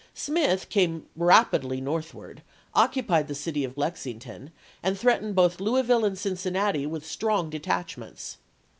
Smith came rapidly north ward, occupied the city of Lexington, and threat ened both Louisville and Cincinnati with strong detachments.